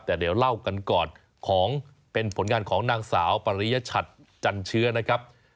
แต่เดี๋ยวเล่ากันก่อนของเป็นผลงานของนางสาวปริยชัดจันเชื้อนะครับ